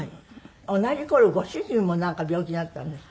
同じ頃ご主人も病気だったんですって？